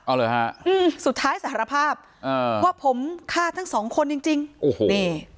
เอาเลยฮะอืมสุดท้ายสารภาพอ่าว่าผมฆ่าทั้งสองคนจริงจริงโอ้โหนี่